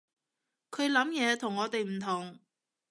佢諗嘢同我哋唔同